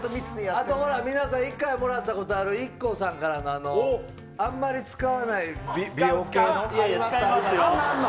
あとほら、皆さん、一回もらったことある、ＩＫＫＯさんからのあんまり使わない美容系の。